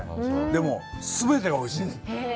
でも、全てがおいしいんです。